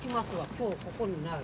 今日ここにない。